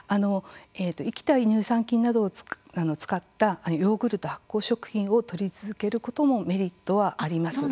生きた乳酸菌などを使ったヨーグルト、発酵食品をとり続けることもメリットはあります。